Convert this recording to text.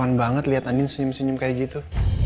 kauan banget liat andin senyum senyum kayak gitu